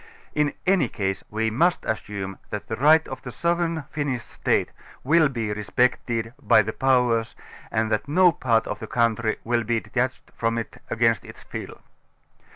In any case, we must as>sume. that the right of the sovereign Finnish iState will be respected by the Powers and that no part of the country will be detached from it against its will.